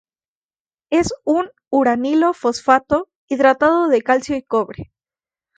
Es un uranilo-fosfato hidratado de calcio y cobre.